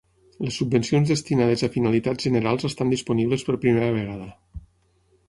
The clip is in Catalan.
Les subvencions destinades a finalitats generals estan disponibles per primera vegada.